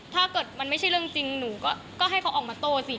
ถ้าเกิดมันไม่ใช่เรื่องจริงหนูก็ให้เขาออกมาโต้สิ